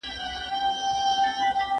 ¬ مرگ حقه پياله ده.